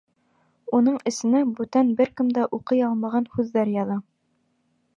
Уның эсенә бүтән бер кем дә уҡый алмаған һүҙҙәр яҙа.